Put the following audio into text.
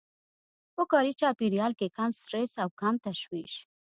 په کاري چاپېريال کې کم سټرس او کم تشويش.